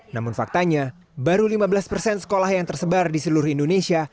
namun faktanya baru lima belas persen sekolah yang tersebar di seluruh indonesia